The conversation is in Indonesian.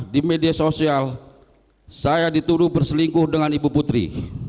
di media sosial saya dituduh berselingkuh dengan ibu putri